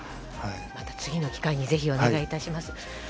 また次の機会にぜひ、お願いします。